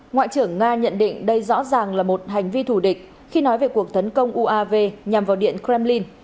ngoại trưởng nga nhận định đây rõ ràng là một hành vi thủ địch khi nói về cuộc tấn công uav nhằm vào điện kremlin